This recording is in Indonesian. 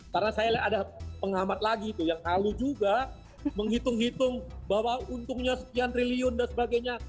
karena saya lihat ada pengamat lagi tuh yang lalu juga menghitung hitung bahwa untungnya sekian triliun dan sebagainya